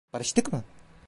Barıştık mı?